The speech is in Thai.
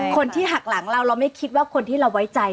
คนที่หักหลังเราเราไม่คิดว่าคนที่เราไว้ใจ